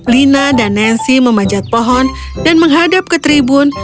lina dan nancy memanjat pohon dan menghadap ke tribun